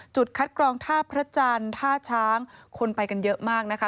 จุดคัดกรองท่าพระจันทร์ท่าช้างคนไปกันเยอะมากนะคะ